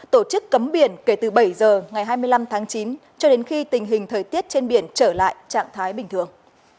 tổ chức cấm biển kể từ bảy giờ ngày hai mươi năm tháng chín cho đến khi tình hình thời tiết trên biển trở lại trạng thái bình thường